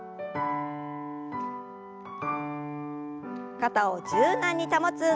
肩を柔軟に保つ運動です。